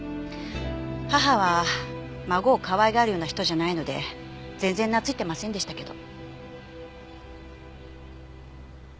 母は孫をかわいがるような人じゃないので全然懐いてませんでしたけど。